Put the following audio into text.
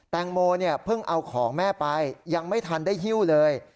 แตงโมเนี่ยเพิ่งเอาของแม่ไปยังไม่ทันได้หิ้วเลย